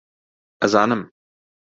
ئەزانم